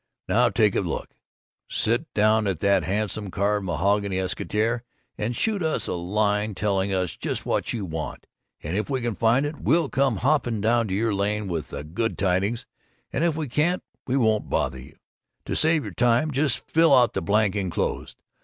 Now take a look: Sit right down at the handsome carved mahogany escritoire and shoot us in a line telling us just what you want, and if we can find it we'll come hopping down your lane with the good tidings, and if we can't, we won't bother you. To save your time, just fill out the blank enclosed.